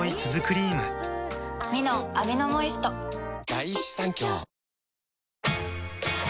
「ミノンアミノモイスト」わ！